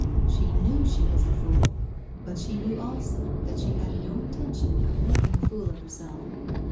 She knew she was a fool, but she knew also that she had no intention of making a fool of herself.